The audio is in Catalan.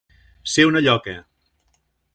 Ser una lloca.